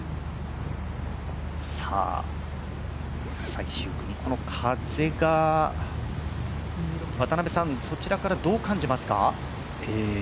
最終組、この風がそちらからどう感じますか？